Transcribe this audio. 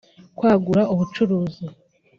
kwagura ubucuruzi